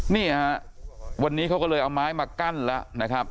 นี่ฮะวันนี้เขาก็เลยเอาไม้มากั้นแล้วนะครับ